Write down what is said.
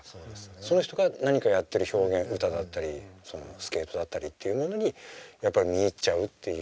その人が何かやってる表現歌だったりスケートだったりっていうものにやっぱり見入っちゃうっていう。